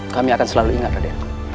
kami akan selalu ingat pada